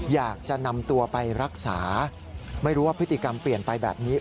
อยากจะนำตัวไปรักษาไม่รู้ว่าพฤติกรรมเปลี่ยนไปแบบนี้